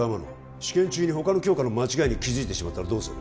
試験中に他の教科の間違いに気づいてしまったらどうする？